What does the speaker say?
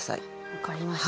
分かりました。